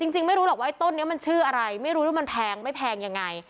จริงไม่รู้หรอกว่าไอ้ต้นนี้มันชื่ออะไรไม่รู้มันแพงไม่แพงยังไง